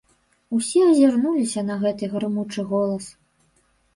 Усе азірнуліся на гэты грымучы голас.